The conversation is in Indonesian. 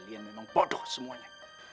kalian memang bodoh semuanya